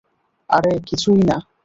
আরে কিছুই না।